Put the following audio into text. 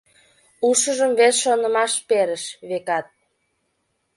Ушыжым вес шонымаш перыш, векат.